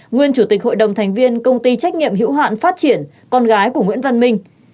nguyên chủ tịch hội đồng thành viên công ty trách nhiệm hữu hạn phát triển con gái của nguyễn văn minh